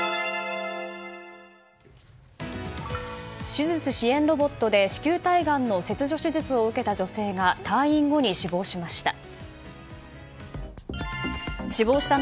手術支援ロボットで子宮体がんの切除手術を受けた女性が退院後に死亡しました。